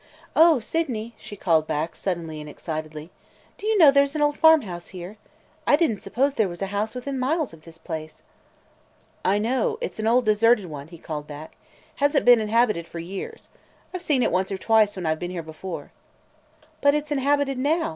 "O Sydney!" she called back, suddenly and excitedly, "do you know there 's an old farmhouse here? I did n't suppose there was a house within miles of this place." "I know; it 's an old deserted one," he called back. "Has n't been inhabited for years. I 've seen it once or twice when I 've been here before." "But it 's inhabited now!"